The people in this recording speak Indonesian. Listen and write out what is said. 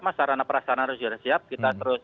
masyarakat perasanan juga sudah siap kita terus